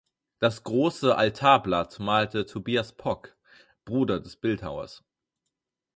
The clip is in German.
Das große Altarblatt malte Tobias Pock, Bruder des Bildhauers.